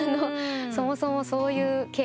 そもそもそういう経験が。